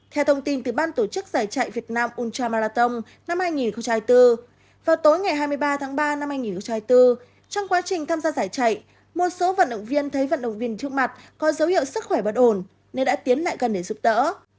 vào ngày hai mươi ba tháng ba năm hai nghìn bốn trong quá trình tham gia giải chạy một số vận động viên thấy vận động viên trước mặt có dấu hiệu sức khỏe bất ổn nên đã tiến lại gần để giúp tỡ